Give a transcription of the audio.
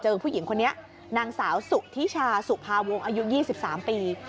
ผู้หญิงคนนี้นางสาวสุธิชาสุภาวงอายุ๒๓ปี